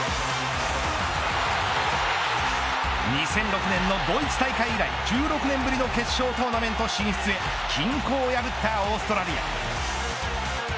２００６年のドイツ大会以来１６年ぶりの決勝トーナメント進出へ均衡を破ったオーストラリア。